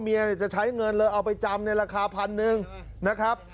จะใช้เงินเลยเอาไปจำในราคาพันหนึ่งนะครับ